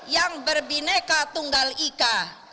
yang berbineka tunggal ika